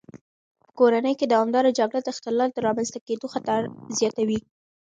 په کورنۍ کې دوامداره جګړه د اختلال د رامنځته کېدو خطر زیاتوي.